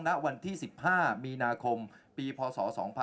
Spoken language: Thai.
ณวันที่๑๕มีนาคมปีพศ๒๕๖๒